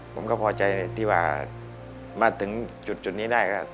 ผมก็พอใจที่ว่ามาถึงจุดนี้ได้ก็